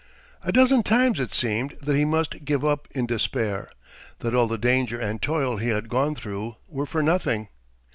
A dozen times it seemed that he must give up in despair, that all the danger and toil he had gone through were for nothing.